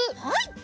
はい！